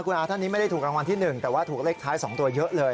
คุณอาท่านนี้ไม่ได้ถูกรางวัลที่๑แต่ว่าถูกเลขท้าย๒ตัวเยอะเลย